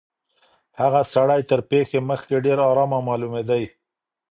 هغه سړی تر پېښي مخکي ډېر آرامه معلومېدی.